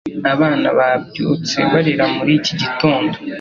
abana babyutse barira muricyi gitondo